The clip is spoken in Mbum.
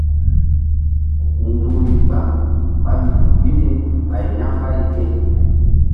Nzukri gbam ɓa nzuk i ni ɓay ya̧ mbay ye.